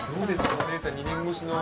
お姉さん、２年越しの。